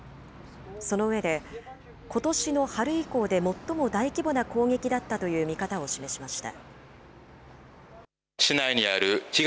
その上で、ことしの春以降で最も大規模な攻撃だったという見方を示しました。